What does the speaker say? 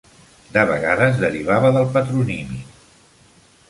De vegades derivava del patronímic.